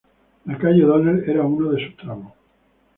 La calle O'Donnell era uno de sus tramos.